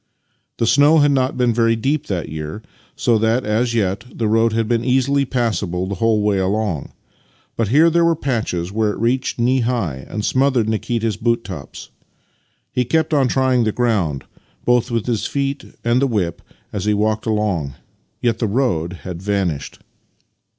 The snow had not been very deep that year, so that, as yet, the road had been easily passable the whole way along ; but here there were patches where it reached knee high and smothered Nikita's boot tops. He kept on trying the ground, both with his feet and the whip, as he walked along; yet the road had vanished.